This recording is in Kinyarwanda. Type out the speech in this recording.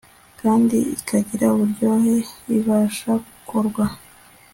kandi ikagira uburyohe ibasha gukorwa